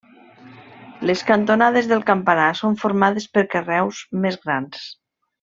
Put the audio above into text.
Les cantonades del campanar són formades per carreus més grans.